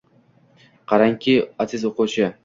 Qarang-ki, aziz o‘quvchi